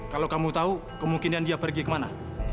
kalau kamu tahu kemungkinan dia pergi kemana